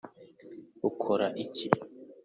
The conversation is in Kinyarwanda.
ukora icyi?